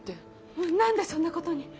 まぁ何でそんなことに。